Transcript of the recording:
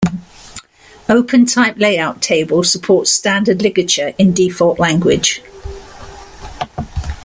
OpenType layout table supports standard ligature in default language.